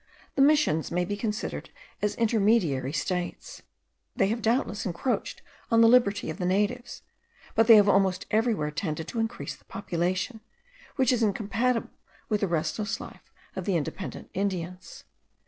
The Missions may be considered as intermediary states. They have doubtless encroached on the liberty of the natives; but they have almost everywhere tended to the increase of population, which is incompatible with the restless life of the independent Indians.